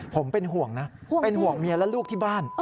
ผมเป็นห่วงนะเป็นห่วงเมียและลูกที่บ้าน